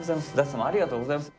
舘様ありがとうございます。